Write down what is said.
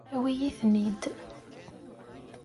Awi-yi-ten-id.